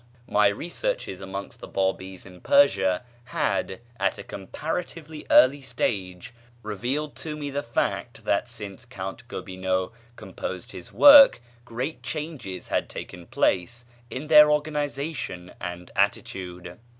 My researches amongst the Bábís in Persia had, at a comparatively early stage, revealed to me the fact that since Count Gobineau composed his work great changes had taken place in their organization and attitude.